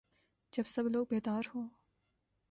جب سب لوگ بیدار ہو